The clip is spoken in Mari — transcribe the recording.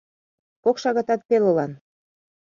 — Кок шагатат пелылан.